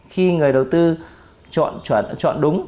khi người đầu tư chọn đúng